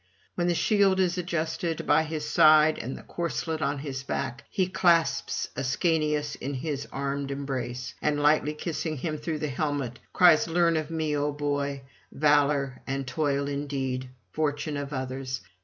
When the shield is adjusted by his side and the corslet on his back, he clasps Ascanius in his armed embrace, and lightly kissing him through the helmet, cries: 'Learn of me, O boy, valour [436 470]and toil indeed, fortune of others.